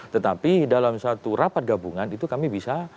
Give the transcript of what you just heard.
tetapi dalam satu rapat gabungan itu kami bisa